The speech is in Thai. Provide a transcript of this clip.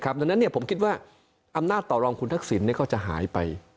ดังนั้นผมคิดว่าอำนาจต่อรองคุณทักษิณก็จะหายไป